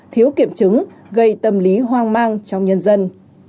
thiếu kiểm chứng gây tâm lý hoang mang trong nhân dân